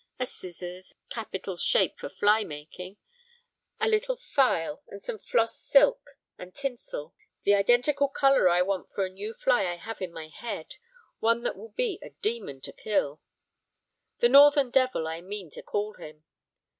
A scissors, a capital shape for fly making; a little file, and some floss silk and tinsel, the identical colour I want for a new fly I have in my head, one that will be a demon to kill. The northern devil I mean to call him.